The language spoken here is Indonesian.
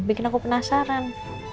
bikin aku penasaran